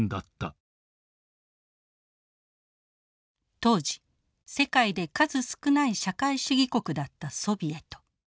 当時世界で数少ない社会主義国だったソビエト。